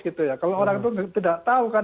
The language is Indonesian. gitu ya kalau orang itu tidak tahu kan